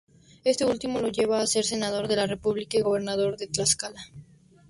Este último lo llevó a ser Senador de la República y Gobernador de Tlaxcala.